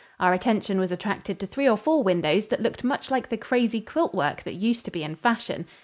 Our attention was attracted to three or four windows that looked much like the crazy quilt work that used to be in fashion.